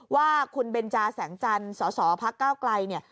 ว่าคุณเบนจาแสงจันทร์สสพักก้าวไกลเนี่ย